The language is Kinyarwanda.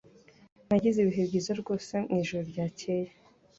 Nagize ibihe byiza rwose mwijoro ryakeye